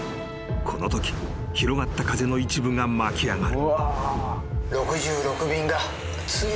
このとき広がった風の一部が巻き上がる］